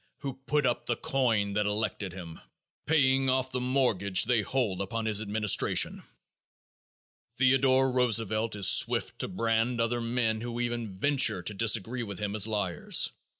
who put up the coin that elected him; paying off the mortgage they hold upon his administration. Theodore Roosevelt is swift to brand other men who even venture to disagree with him as liars.